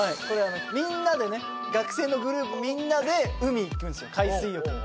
これはみんなでね学生のグループみんなで海行くんすよ